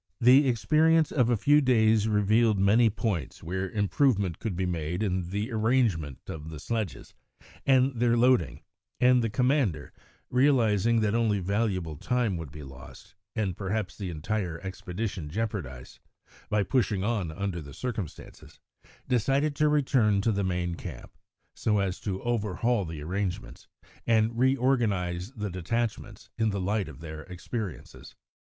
The experience of a few days revealed many points where improvement could be made in the arrangement of the sledges and their loading, and the commander, realising that only valuable time would be lost, and perhaps the entire expedition jeopardised, by pushing on under the circumstances, decided to return to the main camp, so as to overhaul the arrangements, and reorganise the detachments in the light of their experiences.